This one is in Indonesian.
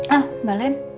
ah mbak len